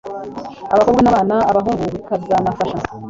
abakobwa n'abana abahungu bikazanafasha